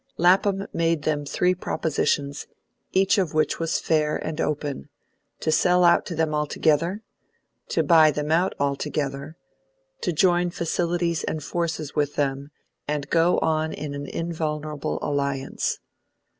Lapham made them three propositions, each of which was fair and open: to sell out to them altogether; to buy them out altogether; to join facilities and forces with them, and go on in an invulnerable alliance.